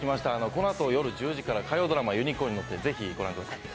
このあと夜１０時から火曜ドラマ「ユニコーンに乗って」、ぜひご覧ください。